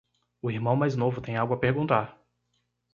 O irmão mais novo tem algo a perguntar.